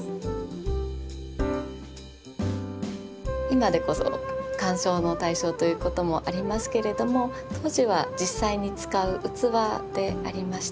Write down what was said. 今でこそ鑑賞の対象ということもありますけれども当時は実際に使う器でありました。